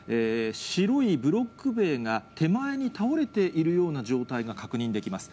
白いブロック塀が手前に倒れているような状態が確認できます。